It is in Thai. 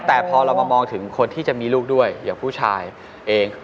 แต่พอเรามามองถึงคนที่จะมีลูกด้วยอย่างผู้ชายเอง